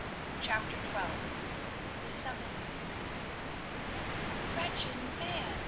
CHAPTER XII THE SUMMONS "Wretched man!"